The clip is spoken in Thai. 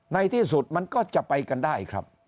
ในที่สุดมันก็จะไปกันได้ครับ